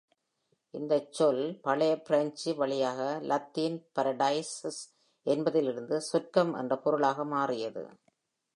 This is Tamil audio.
இந்த சொல் "பழைய பிரஞ்சு" வழியாக "லத்தீன்" பாரடைசஸ் "என்பதிலிருந்து" சொர்க்கம் "என்ற பொருளாக மாறியது.